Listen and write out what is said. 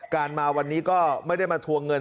การมาวันนี้ก็ไม่ได้มาทวงเงิน